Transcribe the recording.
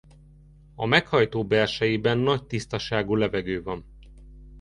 A meghajtó belsejében nagy tisztaságú levegő van.